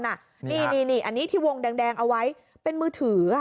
อันนี้ที่วงแดงเอาไว้เป็นมือถือ